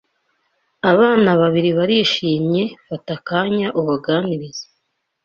Abana babiri barishimye fata akanya ubaganirize